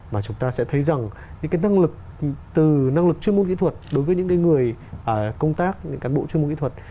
mà chúng ta sẽ thấy rằng những cái năng lực từ năng lực chuyên môn kỹ thuật đối với những người công tác những cán bộ chuyên môn kỹ thuật